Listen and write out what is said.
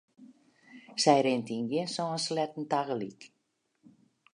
Sy rint yn gjin sân sleatten tagelyk.